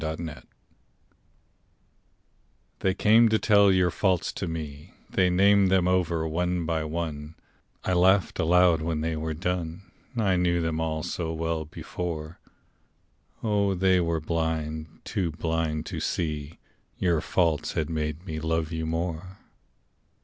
Faults They came to tell your faults to me, They named them over one by one; I laughed aloud when they were done, I knew them all so well before, Oh, they were blind, too blind to see Your faults had made me love you more.